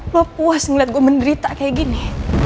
lo puas ngeliat gue menderita kayak gini